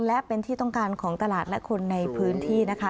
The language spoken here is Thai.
และเป็นที่ต้องการของตลาดและคนในพื้นที่นะคะ